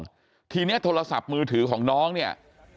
เอาไปโยนทิ้งคลองทีเนี้ยโทรศัพท์มือถือของน้องเนี้ย